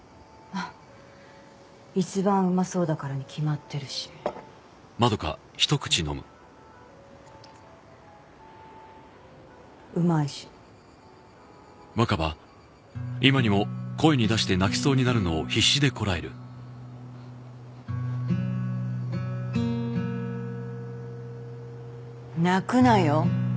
一番うまそうだからに決まってるしうまいし泣くなよ